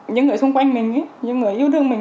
những người xung quanh mình những người yêu đương mình